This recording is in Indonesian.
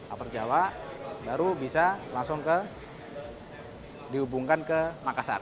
aparjawa baru bisa langsung dihubungkan ke makassar